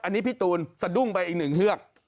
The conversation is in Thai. อันนี้พี่ตูนสะดุ้งไปอีกหนึ่งเฮือก